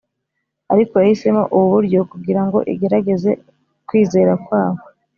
ariko yahisemo ubu buryo kugira ngo igerageze kwizera kwabo